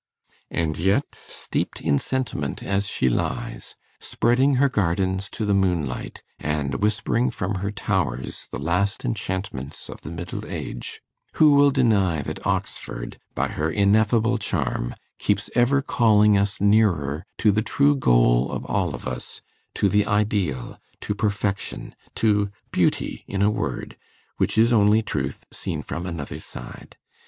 And yet, steeped in sentiment as she lies, spreading her gardens to the moonlight, and whispering from her towers the last enchantments of the Middle Age, who will deny that Oxford, by her ineffable charm, keeps ever calling us nearer to the true goal of all of us, to the ideal, to perfection, to beauty, in a word, which is only truth seen from another side?